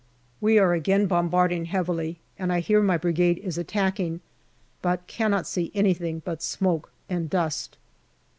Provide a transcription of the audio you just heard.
We are again bombarding heavily, and I hear my Brigade is attacking, but cannot see anything but smoke and dust.